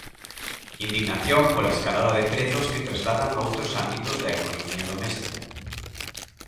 Indignación pola escalada de prezos que trasladan a outros ámbitos da economía doméstica.